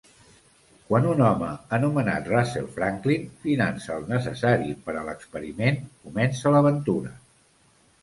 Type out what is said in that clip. Quan un home anomenat Russell Franklin finança el necessari per a l'experiment, comença l'aventura.